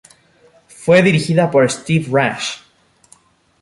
Fue dirigida por Steve Rash.